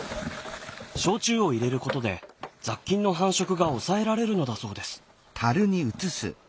焼酎を入れることで雑菌の繁殖が抑えられるのだそうです。